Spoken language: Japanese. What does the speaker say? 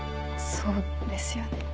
そうですよね。